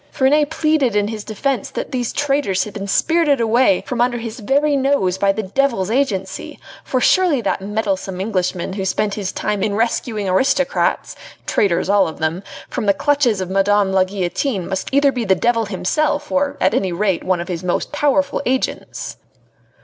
Ferney pleaded in his defence that these traitors had been spirited away from under his very nose by the devil's agency, for surely that meddlesome Englishman who spent his time in rescuing aristocrats traitors, all of them from the clutches of Madame la Guillotine must be either the devil himself, or at any rate one of his most powerful agents.